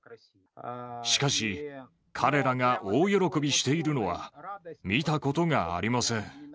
しかし、彼らが大喜びしているのは、見たことがありません。